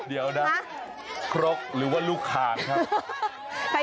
เดี๋ยวนะครกหรือว่าลูกขาดครับ